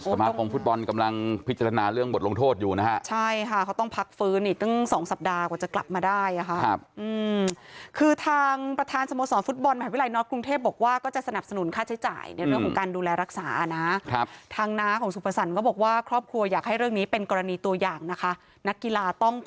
สมาคมฟุตบอลกำลังพิจารณาเรื่องบทลงโทษอยู่นะฮะใช่ค่ะเขาต้องพักฟื้นอีกตั้งสองสัปดาห์กว่าจะกลับมาได้อ่ะค่ะครับคือทางประธานสโมสรฟุตบอลมหาวิทยาลัยน็อตกรุงเทพบอกว่าก็จะสนับสนุนค่าใช้จ่ายในเรื่องของการดูแลรักษานะครับทางน้าของสุภสรรคก็บอกว่าครอบครัวอยากให้เรื่องนี้เป็นกรณีตัวอย่างนะคะนักกีฬาต้อง